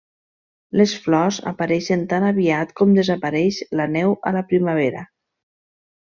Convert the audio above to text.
Les flors apareixen tan aviat com desapareix la neu a la primavera.